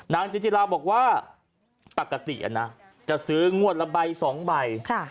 นางจิติราบอกว่าปกติอ่ะนะจะซื้องวดละใบสองใบค่ะ